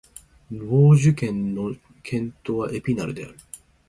ヴォージュ県の県都はエピナルである